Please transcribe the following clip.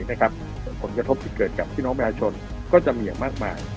ผลกระทบที่เกิดกับพี่น้องประชาชนก็จะมีอย่างมากมาย